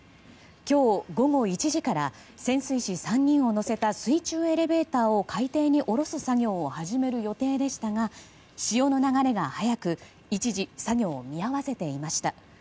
今日午後１時から潜水士３人を乗せた水中エレベーターを海底に降ろす作業を始める予定でしたが潮の流れが速く、一時作業を見合わせていました。